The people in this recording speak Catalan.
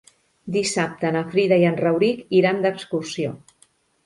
Dissabte na Frida i en Rauric iran d'excursió.